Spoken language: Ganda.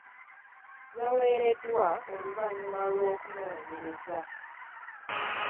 Yawereddwa oluvannyuma lw'okunoonyereza.